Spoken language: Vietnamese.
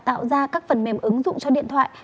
tạo ra các phần mềm ứng dụng cho điện thoại